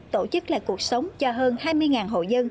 tổ chức lại cuộc sống cho hơn hai mươi hộ dân